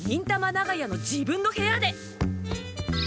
長屋の自分の部屋で。